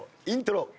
イントロ。